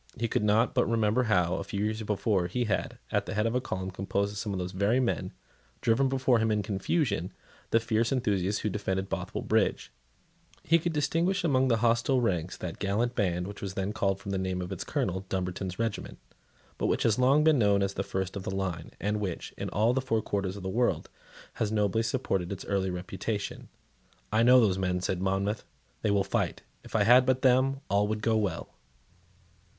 He could not but remember how, a few years before, he had, at the head of a column composed of some of those very men, driven before him in confusion the fierce enthusiasts who defended Bothwell Bridge He could distinguish among the hostile ranks that gallant band which was then called from the name of its Colonel, Dumbarton's regiment, but which has long been known as the first of the line, and which, in all the four quarters of the world, has nobly supported its early reputation. "I know those men," said Monmouth; "they will fight. If I had but them, all would go well."